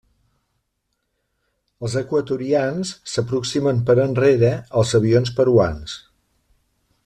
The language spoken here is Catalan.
Els equatorians s'aproximen per enrere als avions peruans.